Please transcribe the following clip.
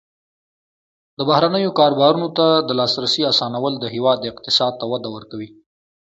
د بهرنیو کاروبارونو ته د لاسرسي اسانول د هیواد اقتصاد ته وده ورکوي.